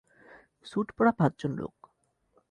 Sweet পরা পাঁচজন লোক।